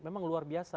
memang luar biasa